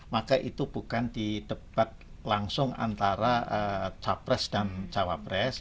maka itu bukan di debat langsung antara capres dan cawapres